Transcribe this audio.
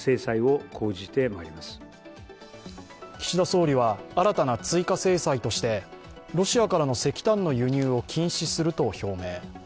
岸田総理は新たな追加制裁としてロシアからの石炭の輸入を禁止すると表明。